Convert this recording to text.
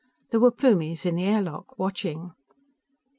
There were Plumies in the air lock, watching.